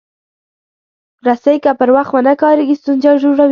رسۍ که پر وخت ونه کارېږي، ستونزه جوړوي.